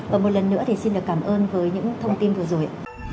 và một lần nữa thì xin được cảm ơn với những thông tin vừa rồi ạ